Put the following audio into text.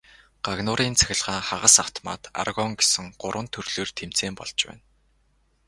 Гагнуурын цахилгаан, хагас автомат, аргон гэсэн гурван төрлөөр тэмцээн болж байна.